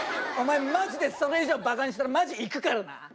お前マジでそれ以上バカにしたらマジ行くからな。